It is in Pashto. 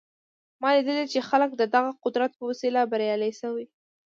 ما لیدلي چې خلک د دغه قدرت په وسیله بریالي شوي